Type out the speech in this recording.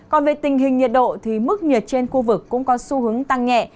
còn về tình hình nhiệt độ thì mức nhiệt trên khu vực cũng có xu hướng tăng nhẹ